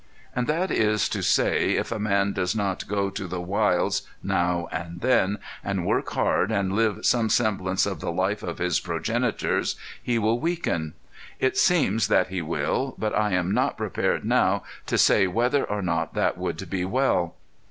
And that is to say if a man does not go to the wilds now and then, and work hard and live some semblance of the life of his progenitors, he will weaken. It seems that he will, but I am not prepared now to say whether or not that would be well.